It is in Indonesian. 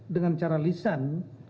dengan cara lisan